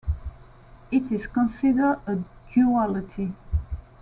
It is considered a duality.